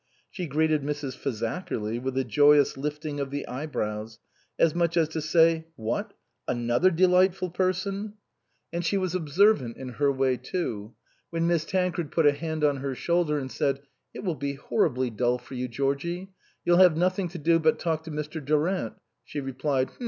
She greeted Mrs. Fazakerly with a joyous lifting of the eye brows, as much as to say, " What ! another de lightful person ?" 99 THE COSMOPOLITAN And she was observant in her way, too. When Miss Tancred put a hand on her shoulder and said, " It will be horribly dull for you, Georgie ; you'll have nothing to do but talk to Mr. Du rant," she replied, " H'm